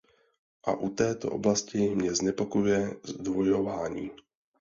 A u této oblasti mě znepokojuje zdvojování.